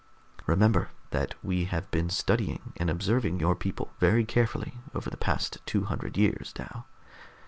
Remember that we have been studying and observing your people very carefully over the past two hundred years, Dal.